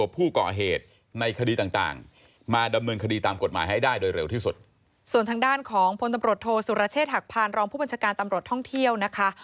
ผู้บัญชาการตำรวจท่องเที่ยวนะคะ